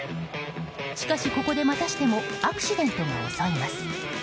しかし、ここでまたしてもアクシデントが襲います。